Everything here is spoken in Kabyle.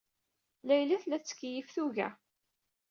Layla tella tettkeyyif tuga.